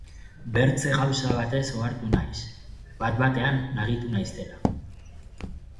Bertze gauza batez ohartu naiz, bat-batean nagitu naizela.